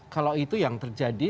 kalau itu yang terjadi